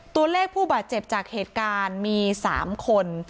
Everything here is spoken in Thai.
ตัวเลขผู้บาดเจ็บจากเหตุการณ์มี๓คน